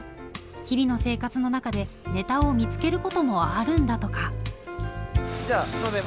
日々の生活の中でネタを見つけることもあるんだとかじゃすいません。